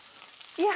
いや。